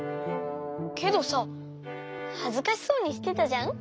けどさはずかしそうにしてたじゃん？